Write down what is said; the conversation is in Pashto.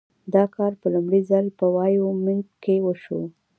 دا کار په لومړي ځل په وایومینګ کې وشو.